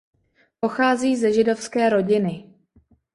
Pochází ze židovské rodiny.